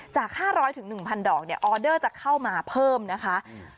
๕๐๐๑๐๐ดอกเนี่ยออเดอร์จะเข้ามาเพิ่มนะคะ